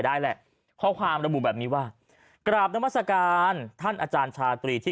ได้แหละข้อความระบุแบบนี้ว่ากราบนามัศกาลท่านอาจารย์ชาตรีที่